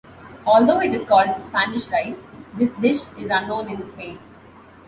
Although it is called "Spanish rice", this dish is unknown in Spain.